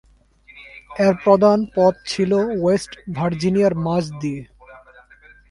এর প্রধান পথ ছিল ওয়েস্ট ভার্জিনিয়ার মাঝ দিয়ে।